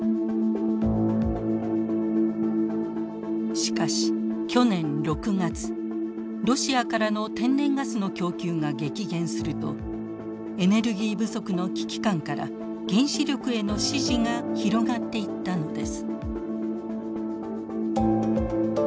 しかし去年６月ロシアからの天然ガスの供給が激減するとエネルギー不足の危機感から原子力への支持が広がっていったのです。